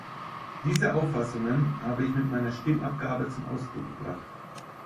Diese Auffassungen habe ich mit meiner Stimmabgabe zum Ausdruck gebracht.